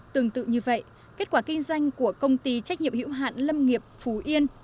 tương tự như vậy kết quả kinh doanh của công ty trách nhiệm hữu hạn lâm nghiệp phú yên